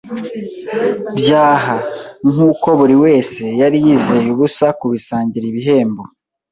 byaha, nkuko buri wese yari yizeye ubusa kubisangira ibihembo.